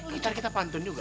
oh ntar kita pantun juga